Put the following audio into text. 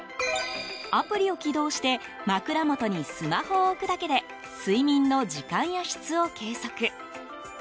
アプリを起動して枕元にスマホを置くだけで睡眠の時間や質を計測。